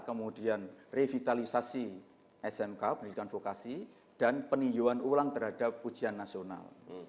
kemudian revitalisasi smk pendidikan vokasi dan peninjauan ulang terhadap ujian nasional